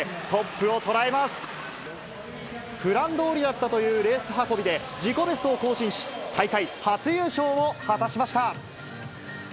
プランどおりだったというレース運びで自己ベストを更新し、大会初優勝を果たしました。